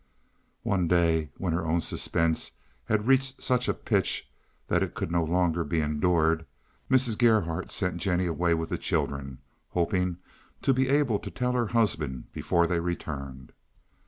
One day, when her own suspense had reached such a pitch that it could no longer be endured, Mrs. Gerhardt sent Jennie away with the children, hoping to be able to tell her husband before they returned.